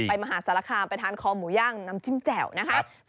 มหาสารคามไปทานคอหมูย่างน้ำจิ้มแจ่วนะคะ